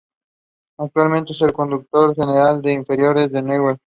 Actualmente es el coordinador general de inferiores en Newell's.